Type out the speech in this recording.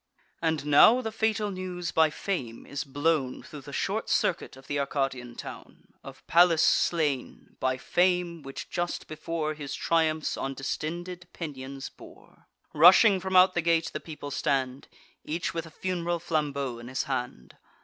And now the fatal news by Fame is blown Thro' the short circuit of th' Arcadian town, Of Pallas slain—by Fame, which just before His triumphs on distended pinions bore. Rushing from out the gate, the people stand, Each with a fun'ral flambeau in his hand.